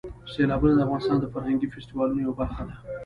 سیلابونه د افغانستان د فرهنګي فستیوالونو یوه برخه ده.